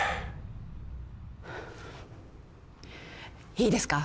いいですか？